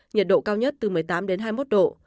nhiệt độ cao nhất từ một mươi tám đến hai mươi một độ